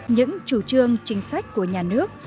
những chủ trương chính sách của nhà nước